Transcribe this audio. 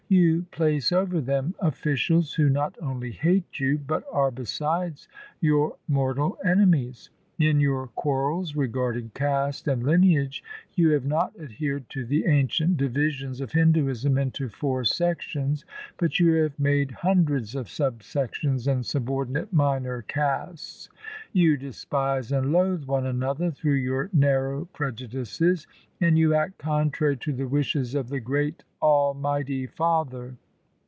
You place over them officials who not only hate you, but are besides your mortal enemies. In your quarrels regarding caste and lineage you have not adhered to the ancient divisions of Hinduism into four sections, but you have made hundreds of sub sections and subordinate minor castes. You despise and loathe one another through your narrow preju dices, and you act contrary to the wishes of the great Almighty Father.